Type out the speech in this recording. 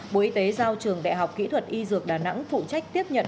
bộ y tế giao trường đại học kỹ thuật y dược đà nẵng phụ trách tiếp nhận